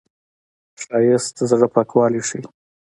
ښایست د زړه پاکوالی ښيي